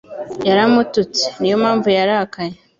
Yaramututse. Niyo mpamvu yarakaye.